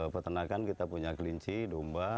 peternakan kita punya kelinci domba